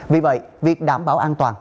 vì vậy việc đảm bảo an toàn